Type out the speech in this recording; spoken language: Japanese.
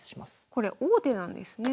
これ王手なんですね。